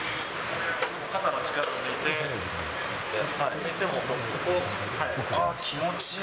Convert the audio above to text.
肩の力を抜いて、抜いてもっと、あっ、気持ちいい。